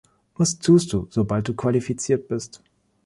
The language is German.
Was tust du, sobald du qualifiziert bist?